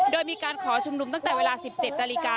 โดยมีการขอชุมนุมตั้งแต่เวลา๑๗นาฬิกา